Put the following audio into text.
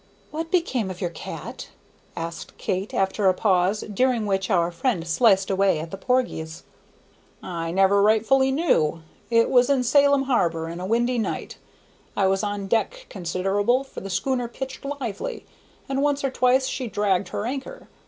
"What became of your cat?" asked Kate, after a pause, during which our friend sliced away at the porgies. "I never rightfully knew; it was in Salem harbor, and a windy night. I was on deck consider'ble, for the schooner pitched lively, and once or twice she dragged her anchor.